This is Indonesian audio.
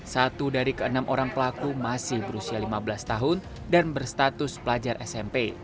satu dari keenam orang pelaku masih berusia lima belas tahun dan berstatus pelajar smp